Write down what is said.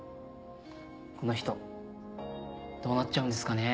この人どうなっちゃうんですかね？